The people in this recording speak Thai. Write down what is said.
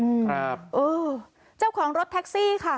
ครับเออเจ้าของรถแท็กซี่ค่ะ